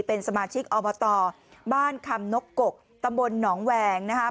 เป็นสมาชิกอบตบ้านคำนกกตำบลหนองแหวงนะครับ